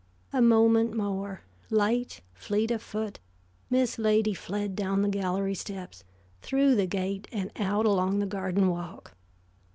A moment more, light, fleet of foot, Miss Lady fled down the gallery steps, through the gate and out along the garden walk.